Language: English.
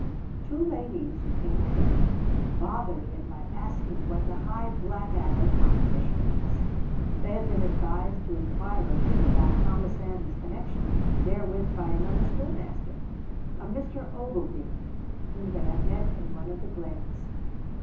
Two ladies, who came together, bothered him by asking what the Hugh Blackadder competition was. They had been advised to inquire of him about Thomas Sandys's connection therewith by another schoolmaster, a Mr. Ogilvy, whom they had met in one of the glens.